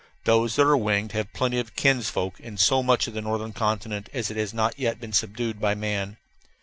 Those that are winged have plenty of kinsfolk in so much of the northern continent as has not yet been subdued by man.